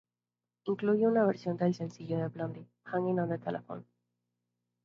Incluye una versión del sencillo de Blondie, "Hanging On The Telephone"